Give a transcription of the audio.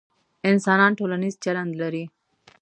انسانان ټولنیز چلند لري،